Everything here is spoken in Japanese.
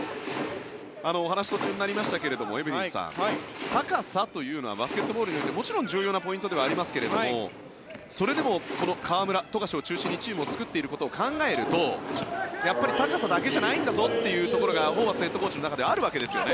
お話が途中になりましたがエブリンさん、高さというのはバスケットボールにおいてもちろん重要なポイントではありますがそれでも河村、富樫を中心にチームを作っていることを考えるとやっぱり高さだけじゃないんだぞというところがホーバスヘッドコーチの中ではあるわけですよね。